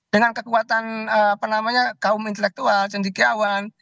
dengan kekuatan apa namanya kaum intelektual cendikiawan